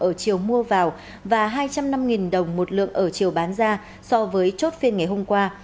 ở chiều mua vào và hai trăm linh năm đồng một lượng ở chiều bán ra so với chốt phiên ngày hôm qua